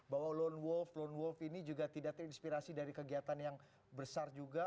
bahwa lone wolf lone wolf ini juga tidak terinspirasi dari kegiatan yang besar juga